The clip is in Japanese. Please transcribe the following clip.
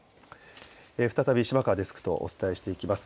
再び島川デスクとお伝えしていきます。